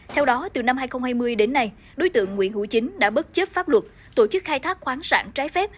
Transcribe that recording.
theo đó từ năm hai nghìn hai mươi đến nay đối tượng nguyễn hữu chính đã bất chấp pháp luật tổ chức khai thác khoáng sản trái phép